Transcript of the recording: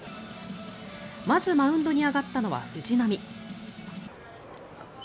まずマウンドに上がったのは藤浪。